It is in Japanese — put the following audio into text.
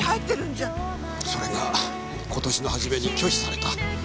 それが今年の始めに拒否された。